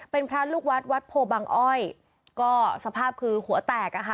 เป็นพระลูกวัดวัดโพบังอ้อยก็สภาพคือหัวแตกอะค่ะ